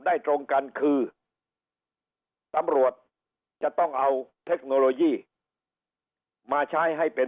ตรงกันคือตำรวจจะต้องเอาเทคโนโลยีมาใช้ให้เป็น